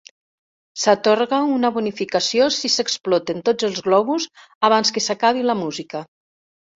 S'atorga una bonificació si s'exploten tots els globus abans que s'acabi la música.